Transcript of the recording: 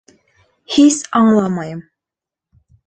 Һис аңламайым.